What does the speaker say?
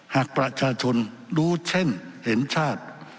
หากประชาชนรู้เช่นเห็นชาติ